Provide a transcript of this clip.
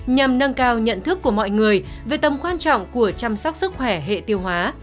nhằm nâng cao nhận thức của mọi người về tầm quan trọng của chăm sóc sức khỏe hệ tiêu hóa